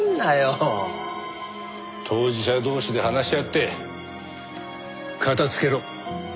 当事者同士で話し合ってカタつけろ。